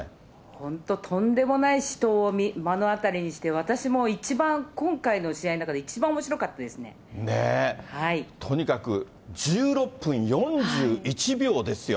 本当、とんでもない死闘を目の当たりにして、私も一番、今回の試合の中で、ねぇ。とにかく１６分４１秒ですよ。